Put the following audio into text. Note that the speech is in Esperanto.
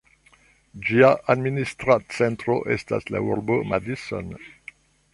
Ĝia administra centro estas la urbo Madison.